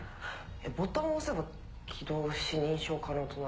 ボタンを押せば、起動し認証可能となる。